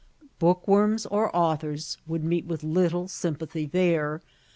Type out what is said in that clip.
Bookworms or authors would meet with little sympathy there.